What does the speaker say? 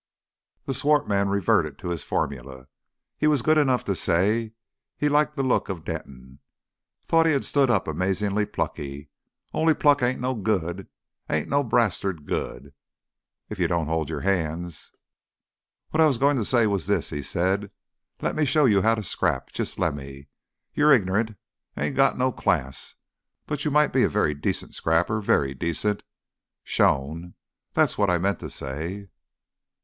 The swart man reverted to his formula. He was good enough to say he liked the look of Denton, thought he had stood up "amazing plucky. On'y pluck ain't no good ain't no brasted good if you don't 'old your 'ands. "Whad I was going to say was this," he said. "Lemme show you 'ow to scrap. Jest lemme. You're ig'nant, you ain't no class; but you might be a very decent scrapper very decent. Shown. That's what I meant to say."